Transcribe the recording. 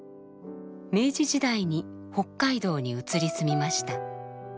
明治時代に北海道に移り住みました。